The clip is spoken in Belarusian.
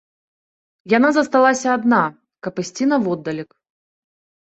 Яна засталася адна, каб ісці наводдалек.